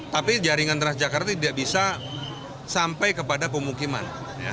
tapi jaringan transjakarta tidak bisa sampai kepada pemukiman